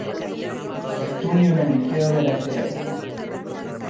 Estudio en el Liceo de La Serena.